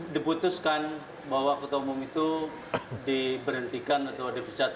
diputuskan bahwa ketua umum itu diberhentikan atau dipecat